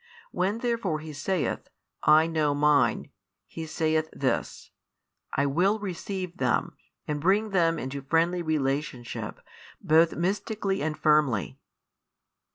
When therefore He saith: I know Mine, He saith this: "I will receive them and bring them into friendly relationship both mystically and firmly.